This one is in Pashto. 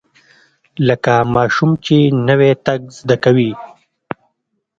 لکه ماشوم چې نوى تګ زده کوي.